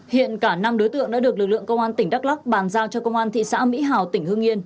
hiện cả năm đối tượng đã được lực lượng công an tỉnh đắk lắc bàn giao cho công an thị xã mỹ hào tỉnh hương yên